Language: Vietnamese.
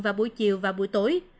vào buổi chiều và buổi tối